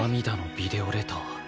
涙のビデオレター。